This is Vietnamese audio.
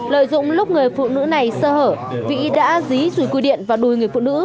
lợi dụng lúc người phụ nữ này sơ hở vĩ đã dí dùi quy điện và đùi người phụ nữ